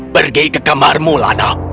pergi ke kamarmu lana